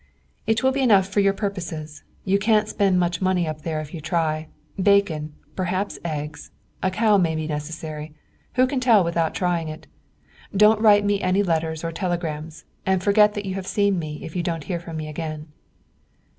"It will be enough for your purposes. You can't spend much money up there if you try. Bacon perhaps eggs; a cow may be necessary, who can tell without trying it? Don't write me any letters or telegrams, and forget that you have seen me if you don't hear from me again."